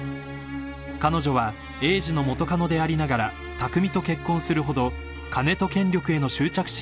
［彼女は栄治の元カノでありながら拓未と結婚するほど金と権力への執着心が強い女性だ］